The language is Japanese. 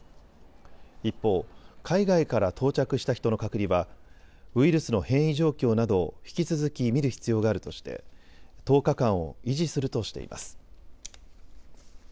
一方、海外から到着した人の隔離はウイルスの変異状況などを引き続き見る必要があるとして１０日間を維持するとしています。